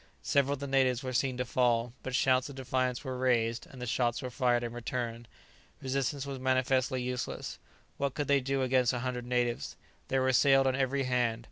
Several of the natives were seen to fall; but shouts of defiance were raised, and shots were fired in return. Resistance was manifestly useless. What could they do against a hundred natives? they were assailed on every hand.